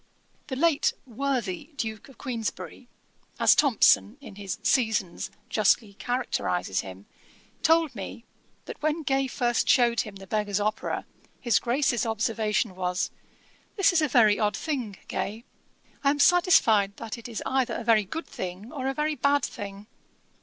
The late 'worthy' Duke of Queensberry, as Thomson, in his Seasons, justly characterises him, told me, that when Gay first shewed him The Beggar's Opera, his Grace's observation was, 'This is a very odd thing, Gay; I am satisfied that it is either a very good thing, or a very bad thing.'